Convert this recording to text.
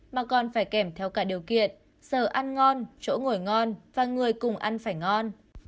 mà còn phải kèm theo cả điều kiện giờ ăn ngon chỗ ngồi ngon và người cùng ăn phải ngon